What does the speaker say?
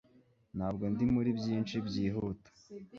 ntabwo ndi muri byinshi byihuta